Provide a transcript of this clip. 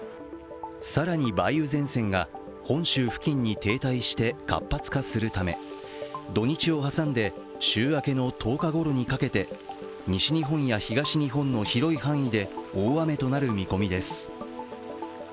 更に、梅雨前線が本州付近に停滞して活発化するため土日を挟んで週明けの１０日ごろにかけて西日本や東日本の広い範囲で大雨となる見込みです。